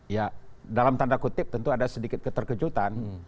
ya dalam tanda kutip tentu ada sedikit keterkejutan